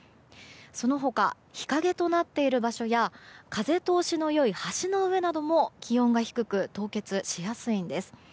その他日陰となっている場所や風通しの良い橋の上なども気温が低く凍結しやすいんです。